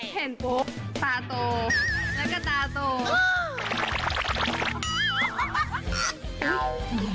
เห็นปุ๊บตาตัวแล้วก็ตาตัว